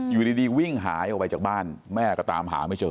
อยู่ดีวิ่งหายออกไปจากบ้านแม่ก็ตามหาไม่เจอ